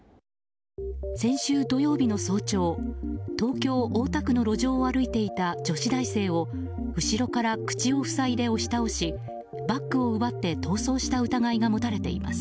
先週土曜日の早朝東京・大田区の路上を歩いていた女子大生を後ろから口を塞いで押し倒しバッグを奪って逃走した疑いが持たれています。